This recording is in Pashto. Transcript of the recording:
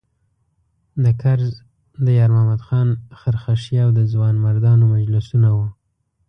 د کرز د یارمحمد خان خرخښې او د ځوانمردانو مجلسونه وو.